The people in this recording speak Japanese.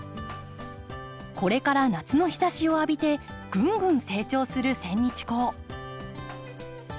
これから夏の日ざしを浴びてぐんぐん成長するセンニチコウ。